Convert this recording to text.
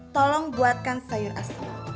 tolong buatkan sayur asli